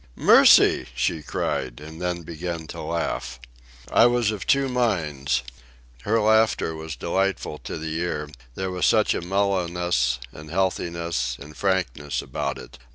"Mercy!" she cried; and then began to laugh. I was of two minds. Her laughter was delightful to the ear, there was such a mellowness, and healthiness, and frankness about it.